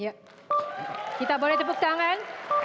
kita boleh tepuk tangan